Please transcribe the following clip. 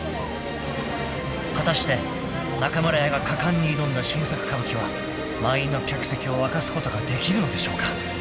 ［果たして中村屋が果敢に挑んだ新作歌舞伎は満員の客席を沸かすことができるのでしょうか］